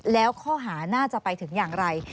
แล้วข้อหาน่าจะไปถึงอย่างไร